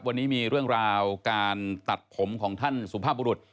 วันนี้มีเรื่องราวการตัดผมของท่านสุภาพบุรุษ